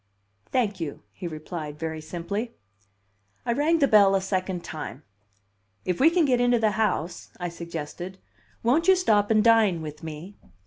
"Thank you," he replied very simply. I rang the bell a second time. "If we can get into the house," I suggested, "won't you stop and dine with me?"